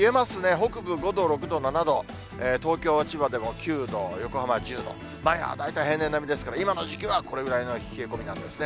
北部５度、６度、７度、東京、千葉でも９度、横浜１０度、大体平年並みですが、今の時期はこれぐらいの冷え込みなんですね。